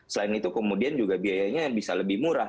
selain itu kemudian juga biayanya bisa lebih murah